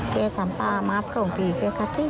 เกสามาแล้วแล้วเนี่ยสองที